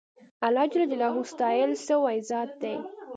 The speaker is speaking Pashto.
اللهﷻ ستایل سوی ذات دی.